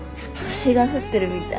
星が降ってるみたい。